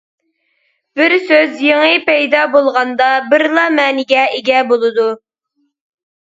بىر سۆز يېڭى پەيدا بولغاندا بىرلا مەنىگە ئىگە بولىدۇ.